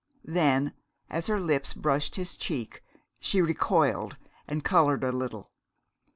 Then, as her lips brushed his cheek, she recoiled and colored a little.